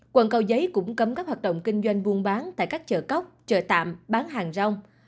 quận cầu giấy cũng cấm các hoạt động kinh doanh buôn bán tại các chợ cóc chợ tạm bán hàng rong